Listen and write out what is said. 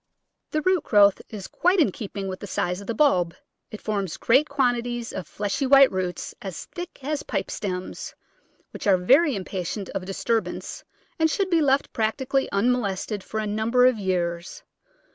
The root growth is quite in keeping with the size of the bulb ; it forms great quantities of fleshy white roots as thick as pipe stems, which are very impatient of disturbance and should be left practically unmo lested for a number of years.